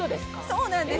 そうなんです。